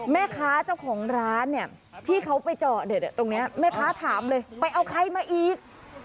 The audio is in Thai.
แม่ค้าเจ้าของร้านเนี่ยที่เขาไปเจาะเด็ดตรงนี้แม่ค้าถามเลยไปเอาใครมาอีก